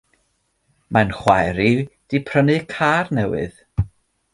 Mae'n chwaer i 'di prynu car newydd.